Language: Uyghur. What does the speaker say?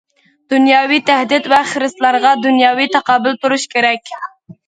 دۇنياۋى تەھدىت ۋە خىرىسلارغا دۇنياۋى تاقابىل تۇرۇش كېرەك.